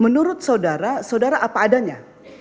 menurut saudara saudara apa adanya